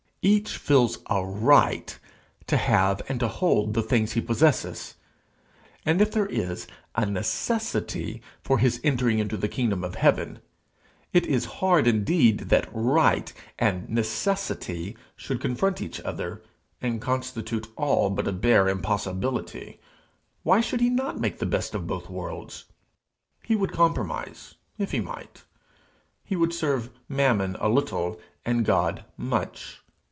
Each feels a right to have and to hold the things he possesses; and if there is a necessity for his entering into the kingdom of heaven, it is hard indeed that right and necessity should confront each other, and constitute all but a bare impossibility! Why should he not 'make the best of both worlds'? He would compromise, if he might; he would serve Mammon a little, and God much.